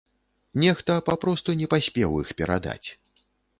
Нехта папросту не паспеў іх перадаць.